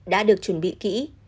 đã được chuẩn bị kỹ